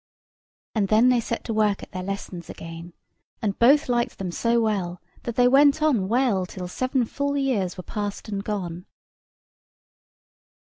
And then they set to work at their lessons again, and both liked them so well that they went on well till seven full years were past and gone.